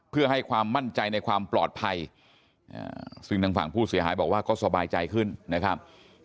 เพื่อให้ความมั่นใจในความปลอดภัยซึ่งทางฝั่งผู้เสียหายบอกว่าก็สบายใจขึ้นนะครับ